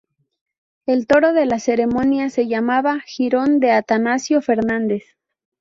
El toro de la ceremonia se llamaba: "Girón" de Atanasio Fernández.